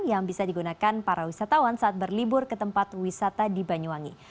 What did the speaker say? yang bisa digunakan para wisatawan saat berlibur ke tempat wisata di banyuwangi